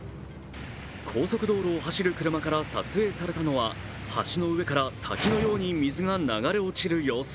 高速道路を走る車から撮影されたのは橋の上から滝のように水が流れ落ちる様子。